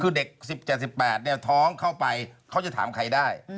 คือเด็ก๑๗๑๘เนี่ยท้องเข้าไปเขาจะถามใครได้